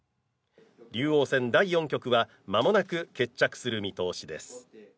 竜王戦第四局は間もなく決着する見通しです。